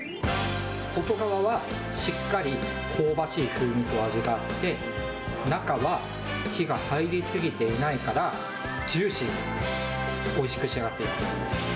外側はしっかり香ばしい風味と味があって、中は火が入り過ぎていないから、ジューシーに、おいしく仕上がっています。